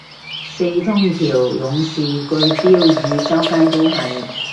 四通橋勇士句標語周街都係